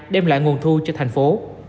đem lại nguồn thu cho thành phố